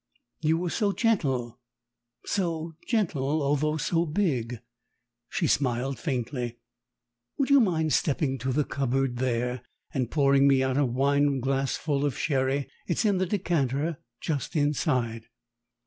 You were so gentle: so gentle although so big" she smiled faintly. "Would you mind stepping to the cupboard there and pouring me out a wineglassful of sherry? It's in the decanter just inside."